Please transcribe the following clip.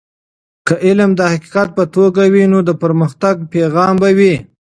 که علم د حقیقت په توګه وي نو د پرمختګ پیغام به وي.